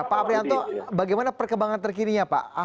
pak aprianto bagaimana perkembangan terkininya pak